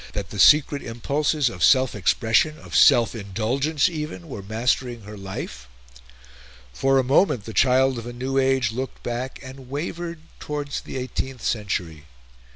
That the secret impulses of self expression, of self indulgence even, were mastering her life? For a moment the child of a new age looked back, and wavered towards the eighteenth century.